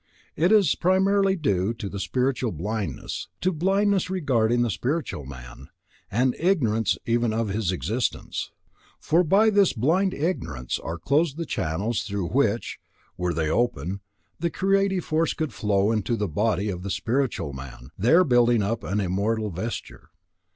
It is primarily due to spiritual blindness, to blindness regarding the spiritual man, and ignorance even of his existence; for by this blind ignorance are closed the channels through which, were they open, the creative force could flow into the body of the spiritual man, there building up an immortal vesture.